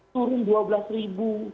turun dua belas ribu